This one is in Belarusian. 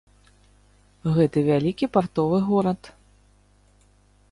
Гэта вялікі партовы горад.